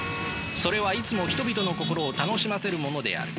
それはいつも人々の心を楽しませるものである。